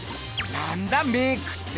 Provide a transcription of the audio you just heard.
何だメークって。